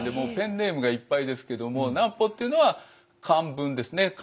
ペンネームがいっぱいですけども南畝っていうのは漢文ですね。